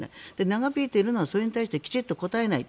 長引いているのはそれに対してきちんと答えない。